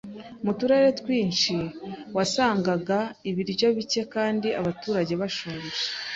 Mu turere twinshi, wasangaga ibiryo bike kandi abaturage bashonje.